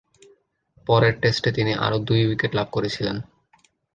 পরের টেস্টে তিনি আরও দুই উইকেট লাভ করেছিলেন।